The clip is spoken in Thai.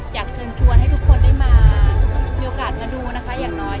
อยากชวนทุกคนไม่มาเพื่อมีโอกาสมาดูนะคะอย่างน้อย